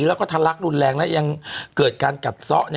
แล้วก็ทะลักรุนแรงและยังเกิดการกัดซ่อ